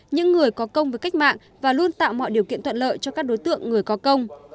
những người có công với cách mạng và luôn tạo mọi điều kiện thuận lợi cho các đối tượng người có công